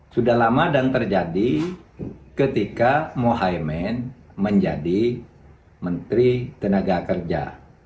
sudah lama dan terjadi ketika mohaimin menjadi menteri tenaga kerja